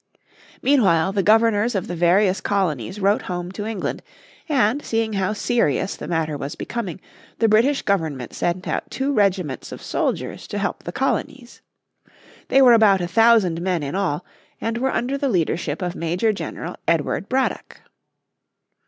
Meanwhile the Governors of the various colonies wrote home to England, and, seeing how serious the matter was becoming, the British Government sent out two regiments of soldiers to help the colonies. They were about a thousand men in all, and were under the leadership of Major General Edward Braddock.